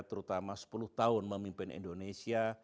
terutama sepuluh tahun memimpin indonesia